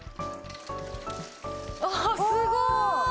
あっすごーい！